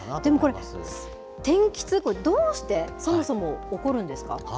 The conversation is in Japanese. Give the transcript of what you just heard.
でもこれ、天気痛、これ、どうして、そもそも起こるんですか。